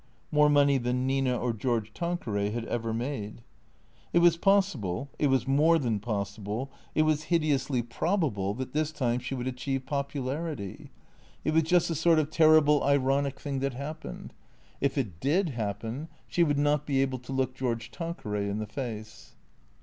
More money than Nina or George Tanqueray had ever made. It was possible, it was more than possible, it was hideously prob 288 THE CREATORS able that this time she would achieve popularity. It was just the sort of terrible, ironic thing that happened. If it did happen she would not be able to look George Tanqueray in the face.